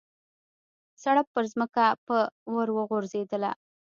سړپ پرځمکه به ور وغورځېدله.